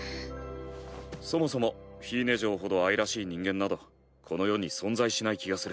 そもそもフィーネ嬢ほど愛らしい人間などこの世に存在しない気がする。